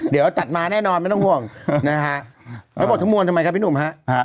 เดี๋ยวตัดมาแน่นอนไม่ต้องห่วงนะฮะแล้วหมดทั้งมวลทำไมครับพี่หนุ่มฮะ